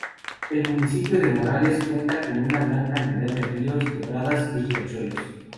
El municipio de Morales cuenta con una gran cantidad de ríos, quebradas, y riachuelos.